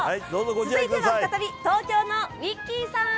続いては再び、東京のウィッキーさん。